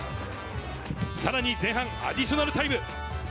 さらに前半アディショナルタイム。